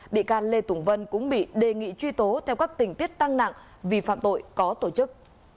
bị can lê tùng vân cũng bị đề nghị truy tố theo các tình tiết tăng nặng vì phạm tội có tổ chức